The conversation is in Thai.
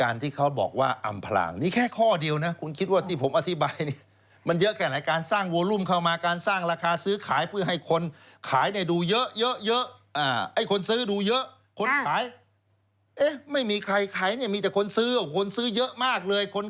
นี่ผมไปข้อเดียวนะอ่ะคุณผู้ชมนี่เพิ่งจะข้อแรกนะคะเดี๋ยวพัก